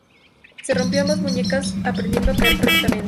Se rompió ambas muñecas aprendiendo a caer correctamente.